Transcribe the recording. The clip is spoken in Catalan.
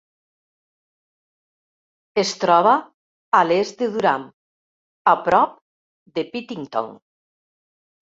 Es troba a l'est de Durham, a prop de Pittington.